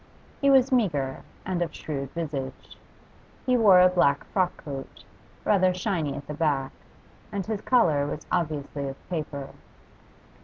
He was meagre, and of shrewd visage; he wore a black frock coat rather shiny at the back and his collar was obviously of paper.